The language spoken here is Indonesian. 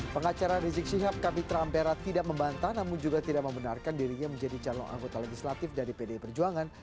pengacara rizik syihab kapitra ampera tidak membantah namun juga tidak membenarkan dirinya menjadi calon anggota legislatif dari pdi perjuangan